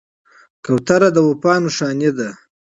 کوتره د وفا نښه ده.